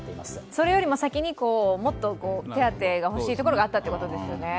それよりも先に手当が欲しいところがあったということですよね。